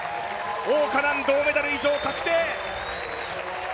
王嘉男、銅メダル以上確定。